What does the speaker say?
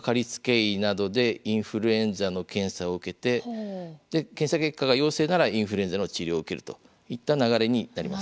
医などでインフルエンザの検査を受けて検査結果が陽性ならインフルエンザの治療を受けるといった流れになります。